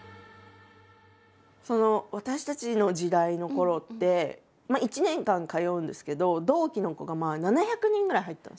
私たちの時代のころって１年間通うんですけど同期の子が７００人ぐらい入ったんですよ。